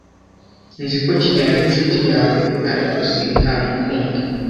Nzi ko kigeli ari inshuti yawe, ariko sindamukunda.